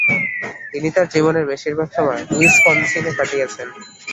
তিনি তার জীবনের বেশিরভাগ সময় উইসকনসিন এ কাটিয়েছেন।